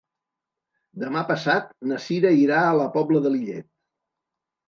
Demà passat na Sira irà a la Pobla de Lillet.